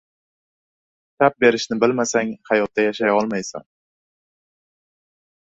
• Chap berishni bilmasang, hayotda yashay olmaysan.